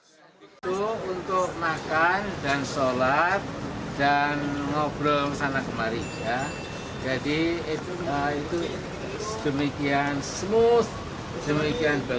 jadi tadi kalau ingin tanya ingin tahu siang tadi makan ayam kampung